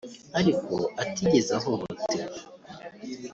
ariko atigeze ahohoterwa